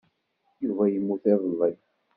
Yuba yemmut iḍelli.